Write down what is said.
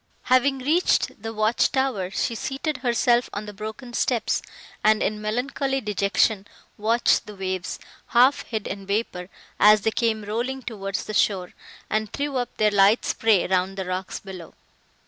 Having reached the watch tower, she seated herself on the broken steps, and, in melancholy dejection, watched the waves, half hid in vapour, as they came rolling towards the shore, and threw up their light spray round the rocks below.